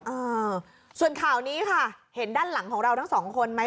เออส่วนข่าวนี้ค่ะเห็นด้านหลังของเราทั้งสองคนไหม